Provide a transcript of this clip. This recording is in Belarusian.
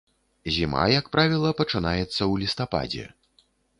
Зіма, як правіла, пачынаецца ў лістападзе.